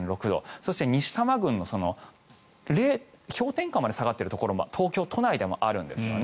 そして、西多摩郡で氷点下まで下がっているところが東京都内でもあるんですよね。